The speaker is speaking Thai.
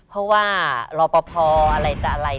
เพราะว่ารอปภอะไร